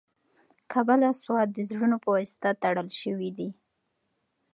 کابل او سوات د زړونو په واسطه تړل شوي دي.